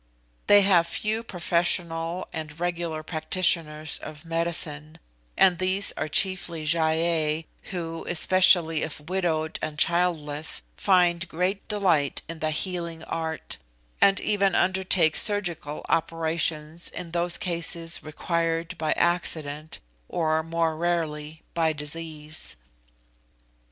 They have few professional and regular practitioners of medicine, and these are chiefly Gy ei, who, especially if widowed and childless, find great delight in the healing art, and even undertake surgical operations in those cases required by accident, or, more rarely, by disease.